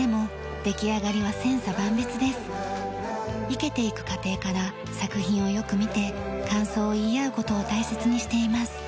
生けていく過程から作品をよく見て感想を言い合う事を大切にしています。